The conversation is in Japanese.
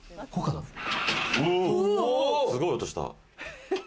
すごい音した。